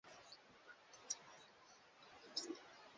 wakati huohuo mwenyekiti wa umoja wa afrika rais wa malawi bingu mutharika